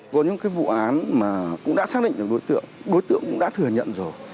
có những cái vụ án mà cũng đã xác định được đối tượng đối tượng cũng đã thừa nhận rồi